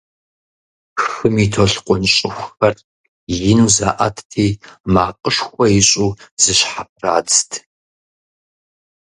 Хым и толъкъун щӀыхухэр ину заӀэтти макъышхуэ ищӀу зыщхьэпрадзт.